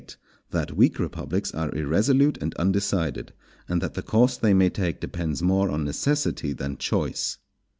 —_That weak Republics are irresolute and undecided; and that the course they may take depends more on Necessity than Choice.